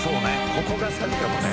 ここがサビかもね」